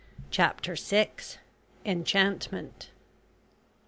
CHAPTER SIX. ENCHANTMENT.